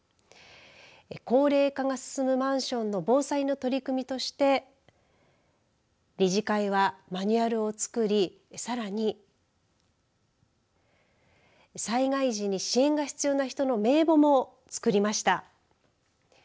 高齢化が進むマンションの防災の取り組みとして理事会は、マニュアルを作りさらに災害時に支援が必要な人の名簿も作りました。